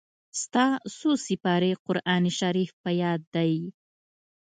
ستا څو سېپارې قرآن شريف په ياد دئ.